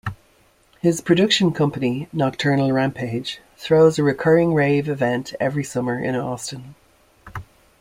His production company "Nocturnal Rampage" throws a recurring rave event every summer in Austin.